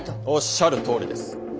おっしゃるとおりです。